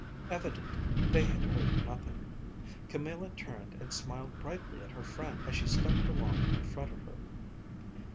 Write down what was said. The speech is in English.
Evidently they had heard nothing. Camilla turned and smiled brightly at her friend as she stepped along in front of her.